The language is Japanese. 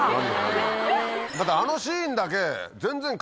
だってあのシーンだけ。